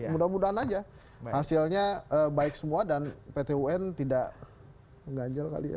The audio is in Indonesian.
mudah mudahan aja hasilnya baik semua dan pt un tidak mengganjal kali ya